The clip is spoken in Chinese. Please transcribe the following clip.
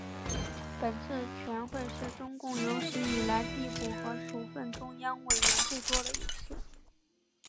本次全会是中共有史以来递补和处分中央委员最多的一次。